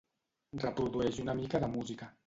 Reprodueix una mica de música.